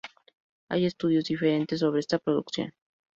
Hay estudios diferentes sobre esta producción.